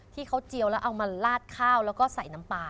ที่เขาเจียวแล้วเอามาลาดข้าวแล้วก็ใส่น้ำปลา